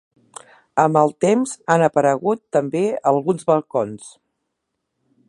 Amb el temps han aparegut també alguns balcons.